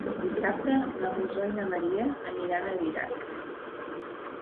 Dissabte na Rosó i na Maria aniran a Bigastre.